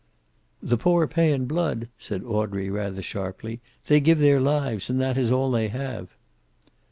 "The poor pay in blood," said Audrey, rather sharply. "They give their lives, and that is all they have."